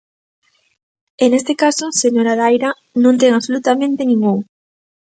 E neste caso, señora Daira, non ten absolutamente ningún.